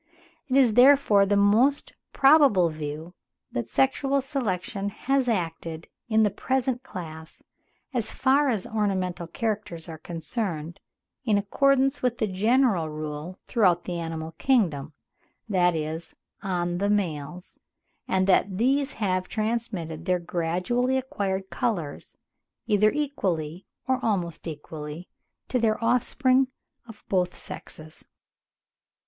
It is, therefore, the most probable view that sexual selection has acted, in the present class, as far as ornamental characters are concerned, in accordance with the general rule throughout the animal kingdom, that is, on the males; and that these have transmitted their gradually acquired colours, either equally or almost equally, to their offspring of both sexes.